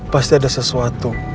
pasti ada sesuatu